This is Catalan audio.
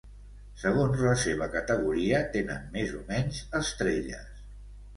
Segons la seva categoria, tenen més o menys estrelles.